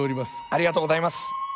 ありがとうございます。